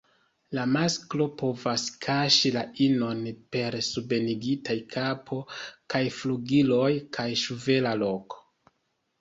La masklo povas ĉasi la inon per subenigitaj kapo kaj flugiloj kaj ŝvela kolo.